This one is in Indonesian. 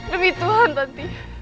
demi tuhan tanti